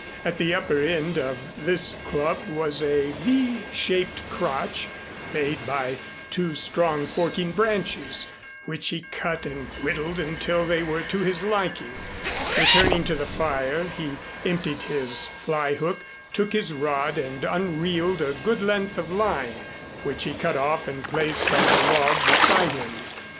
At the upper end of this club was a V shaped crotch, made by two strong forking branches, which he cut and whittled until they were to his liking. Returning to the fire, he emptied his fly hook, took his rod and unreeled a good length of line, which he cut off and placed on the log beside him.